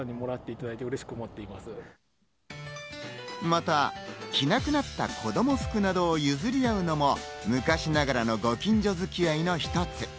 また、着なくなった子供服などを譲り合うのも昔ながらのご近所付き合いの一つ。